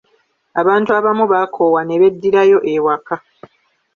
Abantu abamu baakoowa ne beddirayo ewaka.